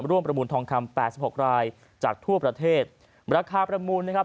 ประมูลทองคำแปดสิบหกรายจากทั่วประเทศราคาประมูลนะครับ